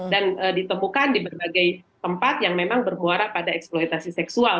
dan ditemukan di berbagai tempat yang memang bermuara pada eksploitasi seksual